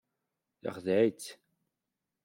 Yexdeɛ-itt.